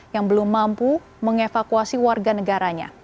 yang belum mampu mengevakuasi warga negaranya